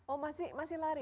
oh masih lari